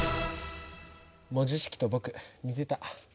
文字式と僕似てた。